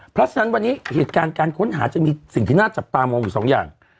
เพราะฉะนั้นวันนี้เหตุการณ์การค้นหาจะมีสิ่งที่น่าจับตามองอยู่สองอย่าง